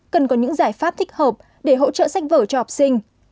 cần có những giải pháp thích hợp để hỗ trợ sách vở cho học sinh